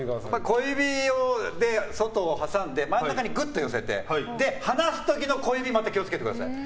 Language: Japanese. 小指で、外を挟んで真ん中にぐっと寄せてで、離す時の小指また気を付けてください。